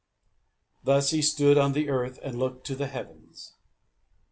Thus he stood on the earth, and looked to the heavens.